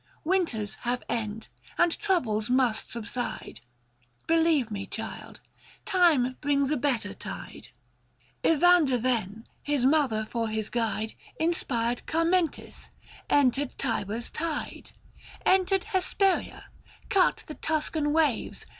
Winters have end, and troubles must subside ; Believe me child, Time brings a better tide. Evander then, his mother for his guide, 525 Inspired Carmentis ! entered Tiber's tide. Entered Hesperia, cut the Tuscan waves.